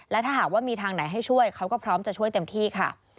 และถ้าหากว่ามีทางไหนให้ช่วยเขาก็พร้อมจะช่วยเต็มที่ค่ะ